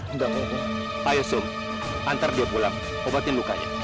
enggak mau ayo sum antar dia pulang obatin lukanya